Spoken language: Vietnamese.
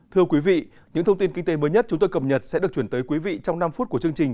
thưa quý vị những thông tin kinh tế mới nhất chúng tôi cập nhật sẽ được chuyển tới quý vị trong năm phút của chương trình